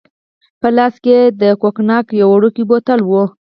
په لاس کې يې د کوګناک یو وړوکی بوتل وو.